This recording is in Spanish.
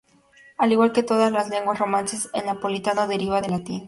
Al igual que todas las lenguas romances, el napolitano deriva del latín.